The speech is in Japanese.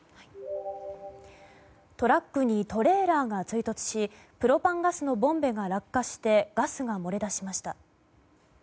トラックにトレーラーが追突しプロパンガスのボンベが落下してガスが漏れ出しました。